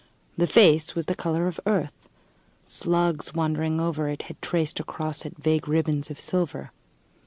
The face was the colour of earth; slugs, wandering over it, had traced across it vague ribbons of silver.